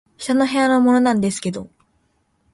「下の部屋のものなんですけど」